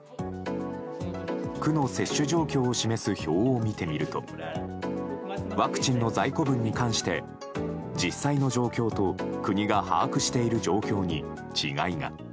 区の接種状況を示す表を見てみるとワクチンの在庫分に関して実際の状況と国が把握している状況に違いが。